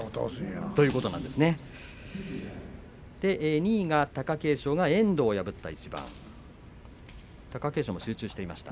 ２位が貴景勝が遠藤を破った一番でした。